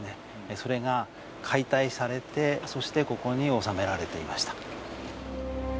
それが解体されてそしてここに納められていました。